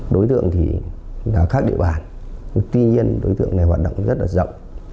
đối tượng thì là khác địa bàn tuy nhiên đối tượng này hoạt động rất là rộng